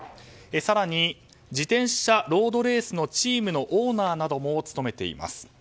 更に自転車ロードレースのチームのオーナーなども務めています。